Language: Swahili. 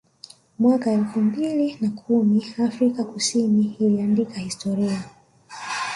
Mwaka elfu mbili na kumi Afrika Kusini iliandika historia